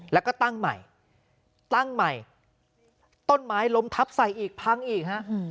แล้วก็ตั้งใหม่ตั้งใหม่ต้นไม้ล้มทับใส่อีกพังอีกฮะ